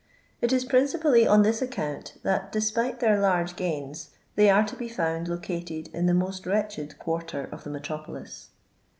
It is principHlly on this account that, despite their Lirge gains, they are to be found located in the most wretched quarter of the metropolis.